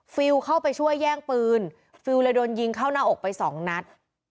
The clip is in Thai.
ฟิลเข้าไปช่วยแย่งปืนฟิลเลยโดนยิงเข้าหน้าอกไปสองนัด